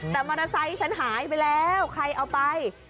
แต่มอเตอร์ไซค์ฉันหายไปแล้วใครเอาไป